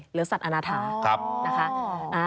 หรือสัตว์อาณาถา